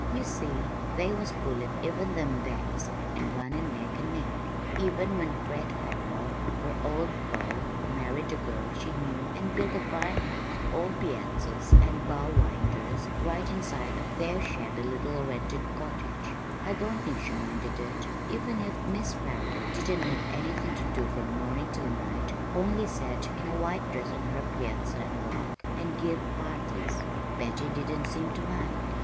You see, they was pullin' even them days and runnin' neck and neck. Even when Fred Farrell, her old beau, married a girl she knew and built a fine house all piazzas and bow winders right in sight of their shabby little rented cottage, I don't think she minded it; even if Mis' Farrell didn't have anythin' to do from mornin' till night only set in a white dress on her piazza, and rock, and give parties, Betty didn't seem to mind.